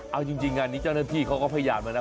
เอาจริงงานนี้เจ้าหน้าที่เขาก็พยายามแล้วนะ